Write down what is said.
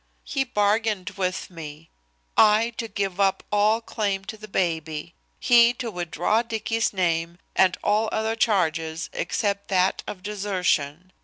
"He bargained with me: I to give up all claim to the baby. He to withdraw Dicky's name, and all other charges except that of desertion.